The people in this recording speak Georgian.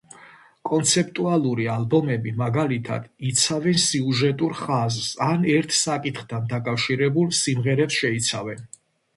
კონცეპტუალური ალბომები, მაგალითად, იცავენ სიუჟეტურ ხაზს ან ერთ საკითხთან დაკავშირებულ სიმღერებს შეიცავენ.